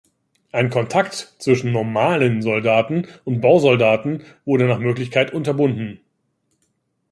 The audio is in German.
Ein Kontakt zwischen „normalen“ Soldaten und Bausoldaten wurde nach Möglichkeit unterbunden.